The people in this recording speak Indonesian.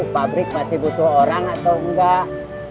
pabrik masih butuh orang atau enggak